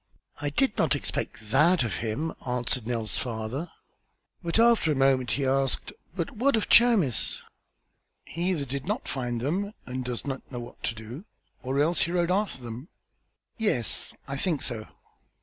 "I did not expect that of him," answered Nell's father. But after a moment he asked: "But what of Chamis?" "He either did not find them and does not know what to do or else rode after them." "Yes, I think so."